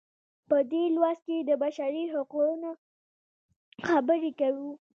په دې لوست کې د بشري حقونو خبرې کوو.